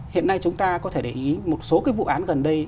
hiện nay chúng ta có thể để ý một số cái vụ án gần đây